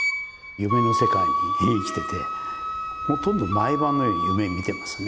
夢の世界に生きててほとんど毎晩のように夢見てますね。